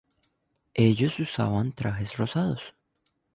Ellos usaban trajes rosados.